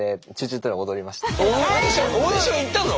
オーディション行ったの？